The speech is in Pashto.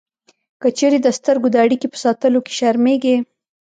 که چېرې د سترګو د اړیکې په ساتلو کې شرمېږئ